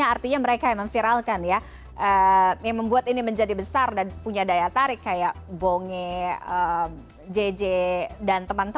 ada mall kelas atas